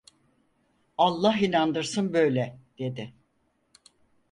Allah inandırsın böyle… dedi.